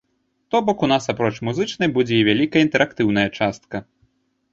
То бок, у нас, апроч музычнай, будзе і вялікая інтэрактыўная частка.